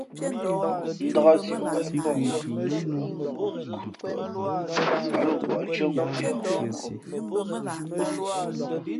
Ndák nsī ngwěʼpαhngǔʼ nkhʉ, ǎ lα wᾱʼ ntʉ́άngweʼ yᾱᾱ.